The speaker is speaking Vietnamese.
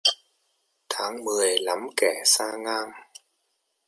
Tháng mười lắm kẻ sang ngang